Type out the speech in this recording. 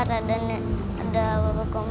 bagaimana finansial apa dihukumnya